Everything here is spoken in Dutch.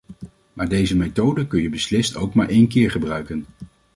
Maar deze methode kun je beslist ook maar één keer gebruiken.